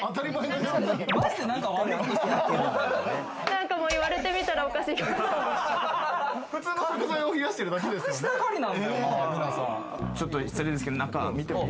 なんかもう言われてみたら、おかしいかも。